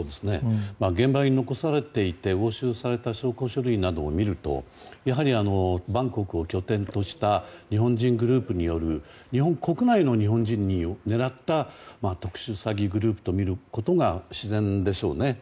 現場に残されていて押収された証拠書類などを見るとバンコクを拠点とした日本人グループによる日本国内の日本人を狙った特殊詐欺グループとみることが自然でしょうね。